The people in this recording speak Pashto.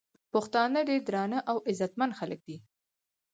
پښتانه ډير درانه او عزتمن خلک دي